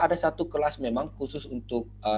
ada satu kelas memang khusus untuk